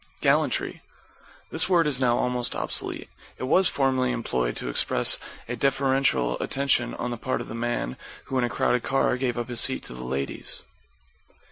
=GALLANTRY= This word is now almost obsolete. It was formerly employed to express a deferential attention on the part of the man who in a crowded car gave up his seat to the ladies.